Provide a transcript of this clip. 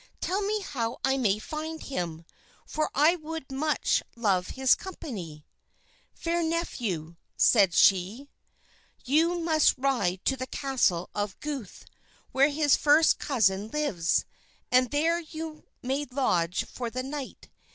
Tell me how I may find him, for I would much love his company." "Fair nephew," said she, "you must ride to the castle of Goothe, where his first cousin lives, and there you may lodge for the night.